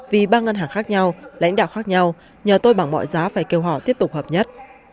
vì ba ngân hàng khác nhau lãnh đạo khác nhau nhờ tôi bằng mọi giá phải kêu họ tiếp tục hợp nhất